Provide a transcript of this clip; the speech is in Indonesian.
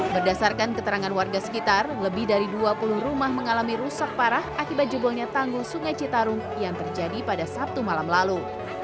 berdasarkan keterangan warga sekitar lebih dari dua puluh rumah mengalami rusak parah akibat jebolnya tanggul sungai citarum yang terjadi pada sabtu malam lalu